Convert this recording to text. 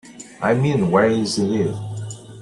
I mean, why isn't it?